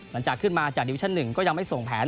หลังจากขึ้นมาจากดิวิชั่น๑ก็ยังไม่ส่งแผน